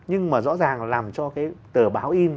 nhưng mà rõ ràng làm cho cái tờ báo in